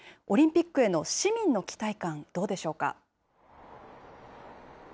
オリンピックへの市民の期待感、どうでしょうか。